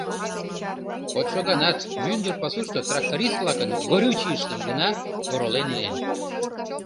Кодшо ганат мӱндыр пасушто тракторист-влакын горючийыштым гына оролен илен.